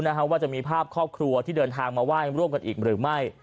ว่าจะมีภาพครอบครัวที่เดินทางมาไหว้ร่วมกันอีกหรือไม่